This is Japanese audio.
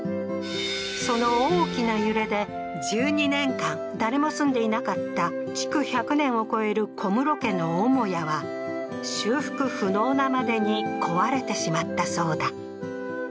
その大きな揺れで、１２年間誰も住んでいなかった築１００年を超える小室家の母屋は、修復不能なまでに壊れてしまったそうだ。